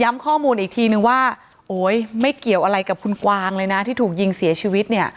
ย้ำข้อมูลอีกทีว่าไม่เดี๋ยวอะไรกับคุณควางที่ถูกยิงเสียชีวิต